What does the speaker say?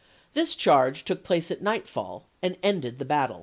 This charge took place at nightfall and ended the battle.